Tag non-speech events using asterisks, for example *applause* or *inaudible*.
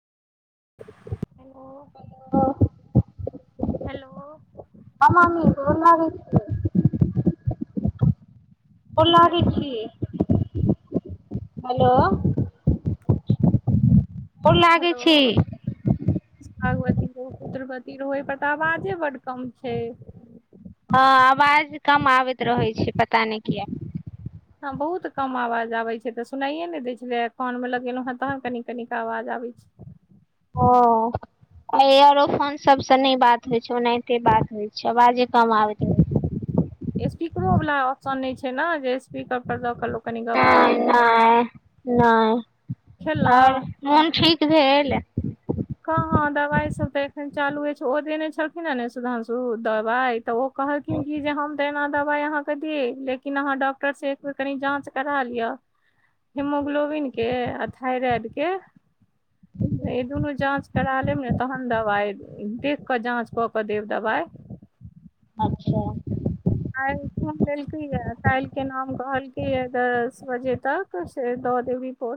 हँ हेलो। हँ मामी गोर लागय छि हेलो *unintelligible* गोर लागय हेलो छी भागवती रहू पुत्रवती रहू अहि पर तऽ आवाजे बड कम छैय हँ आवाज कम आबैत रहै छैय। पता नहि किया। ह बहुत कम आवाज आबै छैय तऽ सुनाइये नहि दैय छलय कान मे लगेलहु हऽ तहन कनी कनि कऽ आवाज आबैत छैय *unintelligible* एयरो फोन सब सऽ नहि बात होय छैय ओनाहिते बात होय छैय आवाजे कम आबय रहै छै। स्पीकरो वला ऑप्शन नहि छैय न जे स्पीकर पर दऽ कऽ लोक कनी गप कऽ ले नहि तै नहि नहि *inaudible* खेलै आओर मोन ठीक भेल कहाँ दवाइ सब तऽ एखन चालूये छैय ओ देने छलखिन न सुधांशु दवाइ तऽ कहलखिन कि जे हम तऽ एना दबाइ अहाँकेँ दिय लेकिन अहाँ डॉक्टर से एक बेर कनि जाँच करा लियऽ हेमोग्लोबिन केँ आ थायराइड केँ जाँच करा लेब न तहन दवाइ देख कऽ जाँच कऽ केँ देब दबाइ *unintelligible* काइल्ह खून लेलकैये काइलकेँ नाम कहलकैये दस बजे तक से दऽ देबय रिपोर्ट